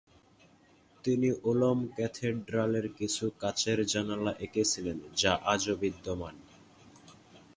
তিনি উলম ক্যাথেড্রালের কিছু কাচের জানালা এঁকেছিলেন যা আজও বিদ্যমান।